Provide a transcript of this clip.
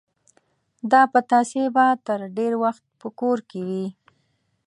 دا پتاسې به تر ډېر وخت په کور کې وې.